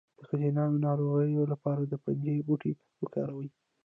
د ښځینه ناروغیو لپاره د پنجې بوټی وکاروئ